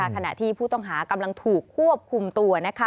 ขณะที่ผู้ต้องหากำลังถูกควบคุมตัว